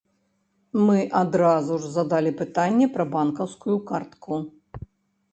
Мы адразу ж задалі пытанне пра банкаўскую картку.